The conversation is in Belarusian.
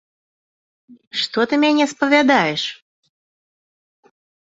Што ты мяне спавядаеш?